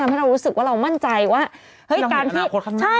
ทำให้เรารู้สึกว่าเรามั่นใจว่า